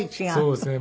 そうですね。